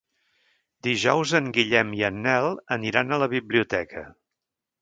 Dijous en Guillem i en Nel aniran a la biblioteca.